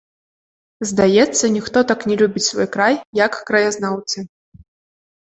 Здаецца, ніхто так не любіць свой край, як краязнаўцы.